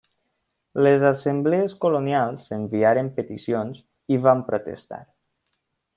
Les assemblees colonials enviaren peticions i van protestar.